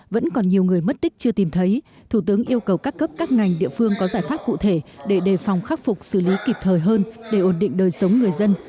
vẫn còn nhiều người mất tích chưa tìm thấy thủ tướng yêu cầu các cấp các ngành địa phương có giải pháp cụ thể để đề phòng khắc phục xử lý kịp thời hơn để ổn định đời sống người dân